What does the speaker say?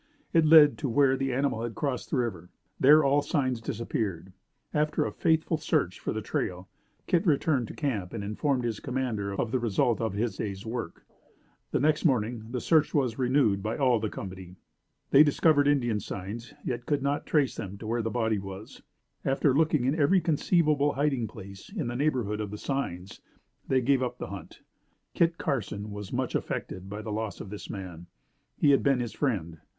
It led to where the animal had crossed the river. There, all signs disappeared. After a faithful search for the trail, Kit returned to camp, and informed his commander of the result of his day's work. The next morning the search was renewed by all of the company. They discovered Indian signs, yet could not trace them to where the body was. After looking in every conceivable hiding place in the neighborhood of the signs, they gave up the hunt. Kit Carson was much affected by the loss of this man. He had been his friend.